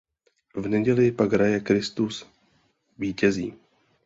V neděli pak hraje Kristus vítězí.